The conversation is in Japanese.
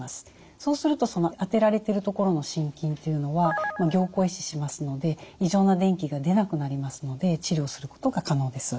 そうするとその当てられてる所の心筋っていうのは凝固壊死しますので異常な電気が出なくなりますので治療することが可能です。